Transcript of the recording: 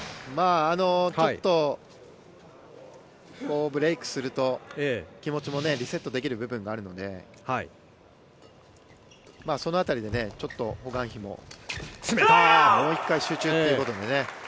ちょっとブレークすると気持ちもリセットできる部分もあるのでその辺りでホ・グァンヒももう１回集中ということでね。